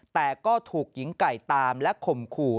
แต่ก็ถูกหญิงไก่ตามและข่มขู่